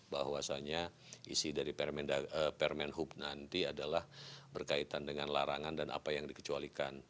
bahwasanya isi dari permen hub nanti adalah berkaitan dengan larangan dan apa yang dikecualikan